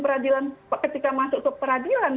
peradilan ketika masuk ke peradilan